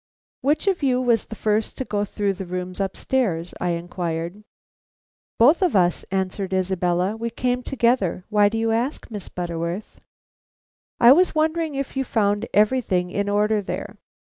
"Which of you was the first to go through the rooms upstairs?" I inquired. "Both of us," answered Isabella. "We came together. Why do you ask, Miss Butterworth?" "I was wondering if you found everything in order there?"